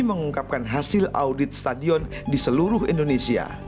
mengungkapkan hasil audit stadion di seluruh indonesia